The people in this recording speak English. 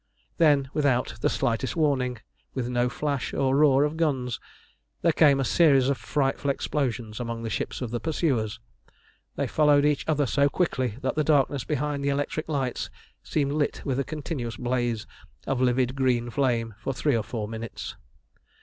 Then, without the slightest warning, with no flash or roar of guns, there came a series of frightful explosions among the ships of the pursuers. They followed each other so quickly that the darkness behind the electric lights seemed lit with a continuous blaze of livid green flame for three or four minutes.